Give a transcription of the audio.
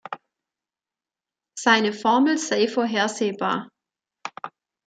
Seine Formel sei 'vorhersehbar'.